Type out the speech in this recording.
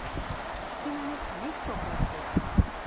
隙間にねぎを加えて行きます。